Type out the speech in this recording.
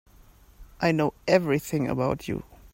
I know everything about you.